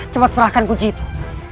cepat serahkan kunci itu